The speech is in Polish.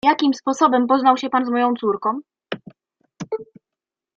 "Jakim sposobem poznał się pan z moją córką?"